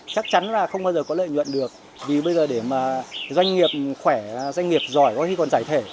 chắc chắn là không bao giờ có lợi nhuận được vì bây giờ để mà doanh nghiệp khỏe doanh nghiệp giỏi có khi còn giải thể